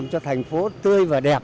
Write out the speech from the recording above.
rất là nguy hiểm